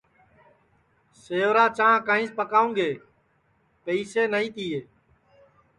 سیورا چاں کائیس پاکاوں گے پئیسے نائی تیے